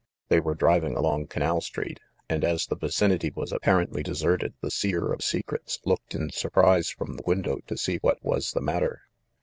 They were driving along Canal Street, and, as the vicinity was apparently deserted, the Seer of secrets looked in surprise from the window to see what was the matter.